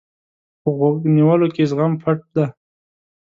په غوږ نیولو کې زغم پټ دی.